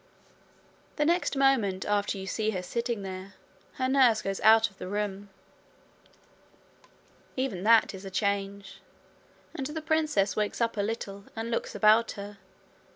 The next moment after you see her sitting there, her nurse goes out of the room. Even that is a change, and the princess wakes up a little, and looks about her.